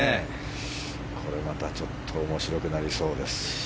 これまた、ちょっと面白くなりそうです。